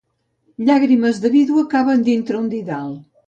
Llàgrimes de vídua caben dintre un didal.